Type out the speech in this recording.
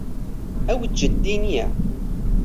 ئەو جددی نییە.